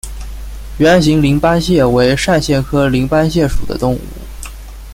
圆形鳞斑蟹为扇蟹科鳞斑蟹属的动物。